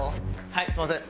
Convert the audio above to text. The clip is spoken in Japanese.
はいすみません。